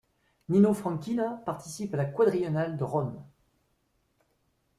Nino Franchina participe à la Quadriennale de Rome.